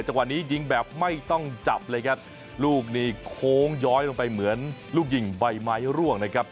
จังหวะนี้ยิงแบบไม่ต้องจับเลยครับลูกนี้โค้งย้อยลงไปเหมือนลูกยิงใบไม้ร่วงนะครับ